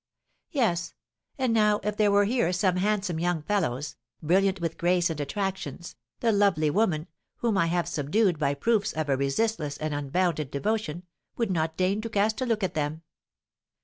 Yes, and now if there were here some handsome young fellows, brilliant with grace and attractions, the lovely woman, whom I have subdued by proofs of a resistless and unbounded devotion, would not deign to cast a look at them.